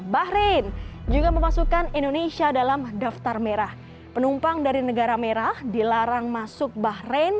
bahrain juga memasukkan indonesia dalam daftar merah penumpang dari negara merah dilarang masuk bahrain